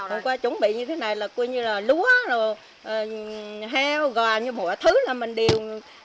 hôm qua chuẩn bị như thế này là lúa heo gò như mọi thứ là mình đều